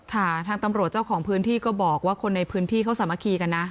ทางตำรวจเจ้าของพื้นที่ก็บอกว่าคนในพื้นที่เขาสามัคคีกันนะ